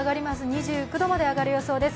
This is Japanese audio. ２９度まで上がる予想です。